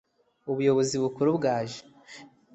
ubuyobozi bukuru bwaje